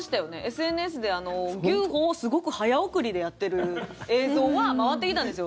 ＳＮＳで牛歩をすごく早送りでやってる映像は回ってきたんですよ。